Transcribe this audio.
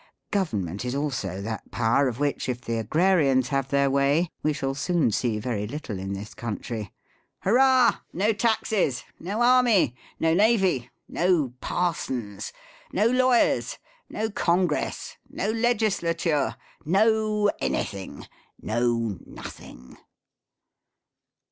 Government is also that power, of which, if the Agrarians have their way, we shall soon see very little in this country. Hurrah ! No taxes ! No army ! (No navy ! No parsons ! No lawyers ! No (Congress ! No Legislature ! No anything ! No nothing!